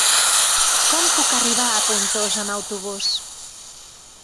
Com puc arribar a Pontós amb autobús?